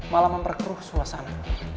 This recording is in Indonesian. malah memperkeruh suasana